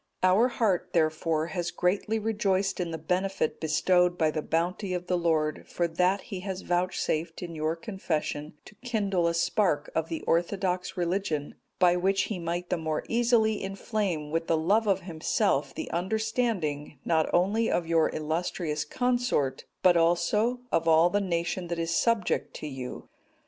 Our heart, therefore, has greatly rejoiced in the benefit bestowed by the bounty of the Lord, for that He has vouchsafed, in your confession, to kindle a spark of the orthodox religion, by which He might the more easily inflame with the love of Himself the understanding, not only of your illustrious consort, but also of all the nation that is subject to you.